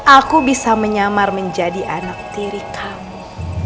aku bisa menyamar menjadi anak tiri kamu